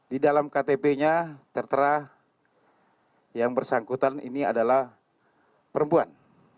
di dalam ktp nya tertera yang bersangkutan ini adalah perempuan